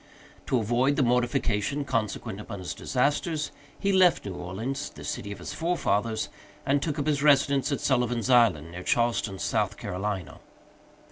To avoid the mortification consequent upon his disasters, he left New Orleans, the city of his forefathers, and took up his residence at Sullivan's Island, near Charleston, South Carolina.